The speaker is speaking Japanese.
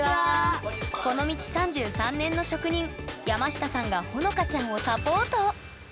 この道３３年の職人山下さんがほのかちゃんをサポート。